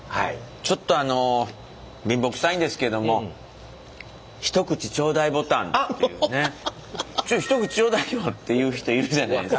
ちょっとあの貧乏くさいんですけども「ちょっと一口ちょうだいよ」って言う人いるじゃないですか。